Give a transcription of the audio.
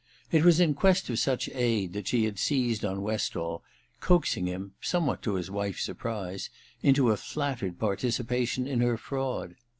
It was in quest of such aid that she had seized on Westall, coaxing him, somewhat to his wife's surprise, into a flattered participation in her fraud.